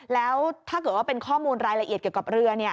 แล้วถ้าเกิดว่าเป็นข้อมูลรายละเอียดเกี่ยวกับเรือ